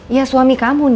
iya suami kamu din